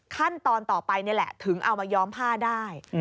ขั้นตอนต่อไปนี่แหละถึงเอามาย้อมผ้าได้